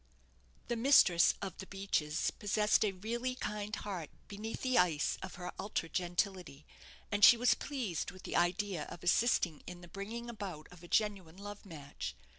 The mistress of "The Beeches" possessed a really kind heart beneath the ice of her ultra gentility, and she was pleased with the idea of assisting in the bringing about of a genuine love match.